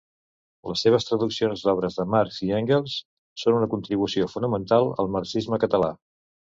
Les seves traduccions d'obres de Marx i Engels són una contribució fonamental al marxisme català.